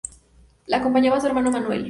Le acompañaba su hermano Manuel.